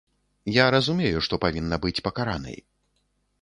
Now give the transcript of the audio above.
Я разумею, што павінна быць пакаранай.